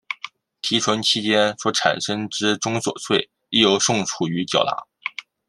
提存期间所产生之综所税亦由宋楚瑜缴纳。